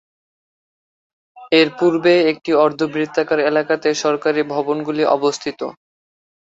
এর পূর্বে একটি অর্ধবৃত্তাকার এলাকাতে সরকারী ভবনগুলি অবস্থিত।